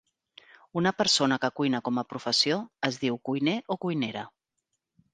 Una persona que cuina com a professió es diu cuiner o cuinera.